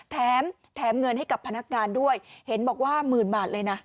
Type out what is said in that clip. แถมแถมเงินให้กับพนักงานด้วยเห็นบอกว่าหมื่นบาทเลยนะ